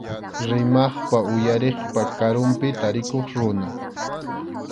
Rimaqpa uyariqpa karunpi tarikuq runa.